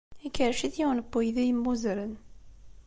Ikerrec-it yiwen n uydi yemmuzzren.